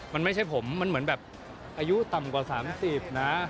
มันไม่ใช่ผมมันเหมือนแบบอายุต่ำกว่า๓๐นะ